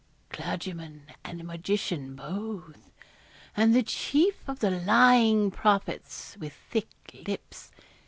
'Clergyman and magician both, and the chief of the lying prophets with thick lips.